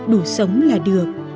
đủ sống là được